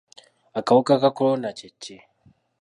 Akawuka ka kolona kye ki?